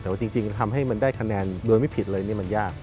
แต่ว่าจริงทำให้มันได้คะแนนโดยไม่ผิดเลยนี่มันยาก